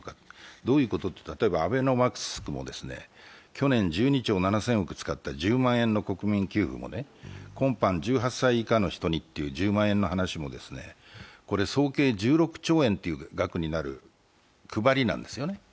どういうことかというと例えば、アベノマスクも去年１２兆７０００億円使った、１０万円の国民給付も今般１８歳以下の人にという１０万円の話も総計１６兆円という額になる配りなんですね。